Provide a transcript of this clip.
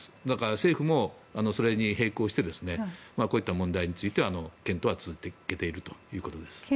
だから政府もそれに並行してこういった問題については検討は続けているということです。